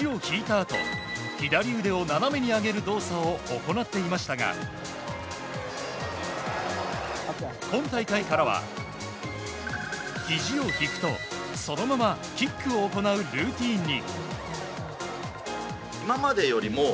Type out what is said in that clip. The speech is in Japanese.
あと左腕を斜めに上げる動作を行っていましたが今大会からは、ひじを引くとそのままキックを行うルーティンに。